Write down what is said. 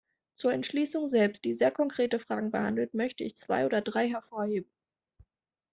Zur Entschließung selbst, die sehr konkrete Fragen behandelt, möchte ich zwei oder drei hervorheben.